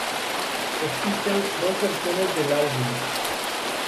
Existen dos versiones del álbum.